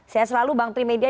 saya selalu bang trimedia